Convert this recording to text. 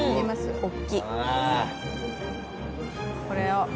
これを。